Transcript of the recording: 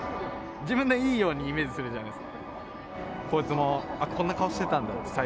自分でいいようにイメージするじゃないですか。